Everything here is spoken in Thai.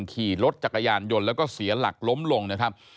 ขี่รถจักรยานยนต์แล้วก็เสียหลักล้มลงนะครับ